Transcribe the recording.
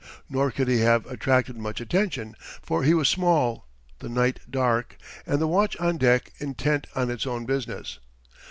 Nor could he have attracted much attention, for he was small, the night dark, and the watch on deck intent on its own business.